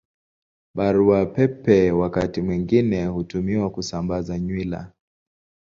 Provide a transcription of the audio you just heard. Barua Pepe wakati mwingine hutumiwa kusambaza nywila.